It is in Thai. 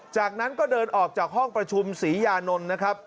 จากนั้นก็เดินออกจากห้องประชุมศรียานนท์นะครับ